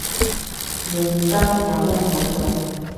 認真，有咩好做